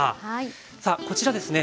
さあこちらですね